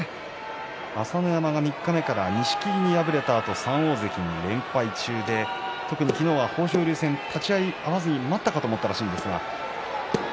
朝乃山は三日目に錦木に敗れたあと３大関２連敗中で特に昨日は豊昇龍戦立ち合いが合わずにまたかと思ったようですが。